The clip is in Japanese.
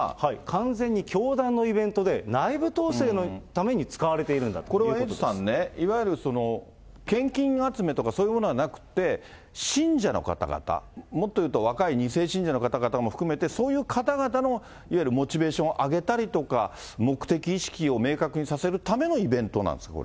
完全に教団のイベントで、内部統制のために使われているんだこれはエイトさんね、いわゆる献金集めとか、そういうものはなくて、信者の方々、もっと言うと若い２世信者の方々も含めて、そういう方々のいわゆるモチベーションを上げたりとか、目的意識を明確にさせるためのイベントなんですか？